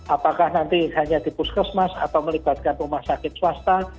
apakah nanti hanya di puskesmas atau melibatkan rumah sakit swasta